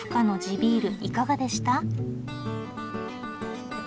ビールいかがでした？